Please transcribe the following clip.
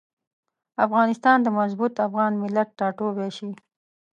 افغانستان د مضبوط افغان ملت ټاټوبی شي.